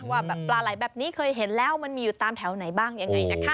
ว่าปลาไหล่แบบนี้เคยเห็นแล้วมันมีอยู่ตามแถวไหนบ้างยังไงนะคะ